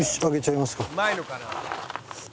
「うまいのかな？」